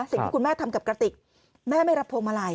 สิ่งที่คุณแม่ทำกับกระติกแม่ไม่รับพวงมาลัย